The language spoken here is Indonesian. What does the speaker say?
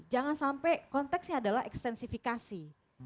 jangan sampai konteksnya adalah ekstensifikasi